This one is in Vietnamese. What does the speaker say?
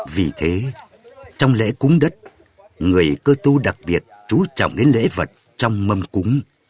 vì thế trong lễ cúng đất người cơ tu đặc biệt chú trọng đến lễ vật trong mâm cúng